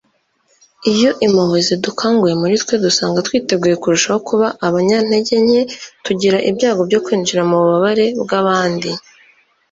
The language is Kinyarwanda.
iyo impuhwe zidukanguye muri twe, dusanga twiteguye kurushaho kuba abanyantege nke, tugira ibyago byo kwinjira mu bubabare bw'abandi